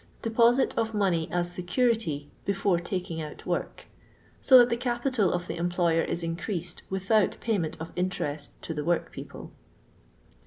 Deposit of money as security before taking out work ; so that the capital of the em ployer is increased without payment of interest to the workpeople.